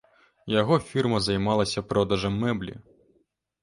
Яго фірма займалася продажам мэблі.